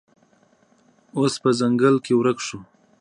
اس په ځنګل کې ورک شو.